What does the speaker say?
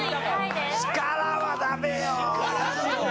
力はダメよ。